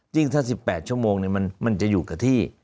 จริงถ้า๑๘ชั่วโมงเนี่ยมันจะอยู่กับที่